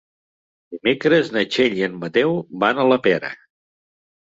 Dimecres na Txell i en Mateu van a la Pera.